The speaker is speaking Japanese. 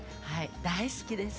大好きです。